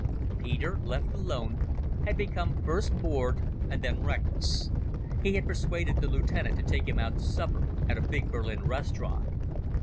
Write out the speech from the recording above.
Peter, left alone, had become first bored and then reckless. He had persuaded the lieutenant to take him out to supper at a big Berlin restaurant.